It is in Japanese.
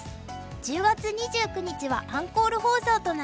１０月２９日はアンコール放送となります。